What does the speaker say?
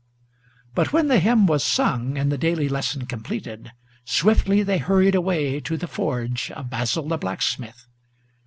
But when the hymn was sung, and the daily lesson completed, Swiftly they hurried away to the forge of Basil the blacksmith.